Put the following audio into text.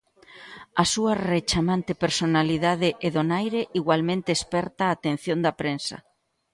A súa rechamante personalidade e donaire igualmente esperta a atención da prensa.